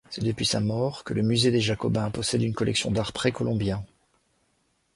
C'est depuis sa mort que le musée des Jacobins possède une collection d'art précolombien.